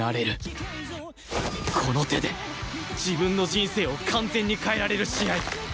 この手で自分の人生を完全に変えられる試合！